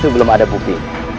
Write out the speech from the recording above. belum ada bukti